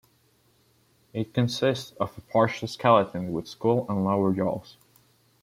It consists of a partial skeleton with skull and lower jaws.